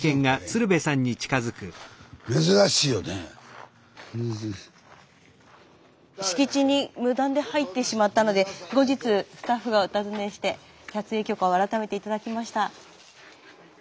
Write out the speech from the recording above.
スタジオ敷地に無断で入ってしまったので後日スタッフがお訪ねして撮影許可を改めて頂きました。